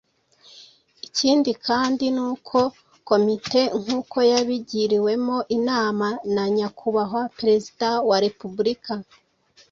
Ikindi ni uko Komite, nk'uko yabigiriwemo inama na Nyakubahwa Perezida wa Repubulika,